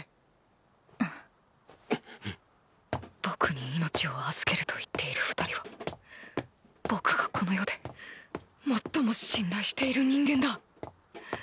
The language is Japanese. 僕に命を預けると言っている二人は僕がこの世で最も信頼している人間だ。